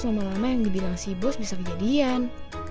lama lama yang dibilang si bos bisa kejadian